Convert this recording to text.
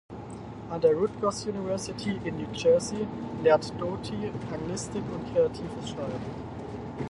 An der Rutgers University in New Jersey lehrt Doty Anglistik und Kreatives Schreiben.